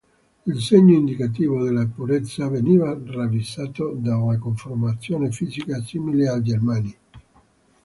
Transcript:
Il segno indicativo della purezza veniva ravvisato nella conformazione fisica simile ai germani.